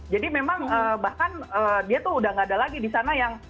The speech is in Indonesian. jadi memang bahkan dia tuh sudah nggak ada lagi di sana yang